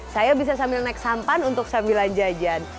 saya bisa sambil naik sampan untuk sambilan jajan